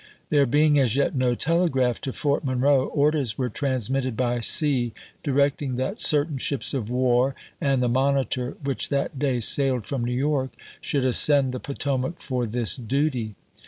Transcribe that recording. There being as yet no telegraph to Fort Monroe, orders were transmitted by sea directing that certain ships of war, and the Monitor which that day sailed from New York, should ascend the Potomac for this duty.